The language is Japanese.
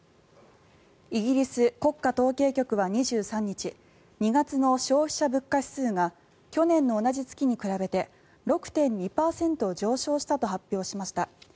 イギリス国家統計局は２３日２月の消費者物価指数が去年の同じ月に比べて６．２％上昇したと発表しました。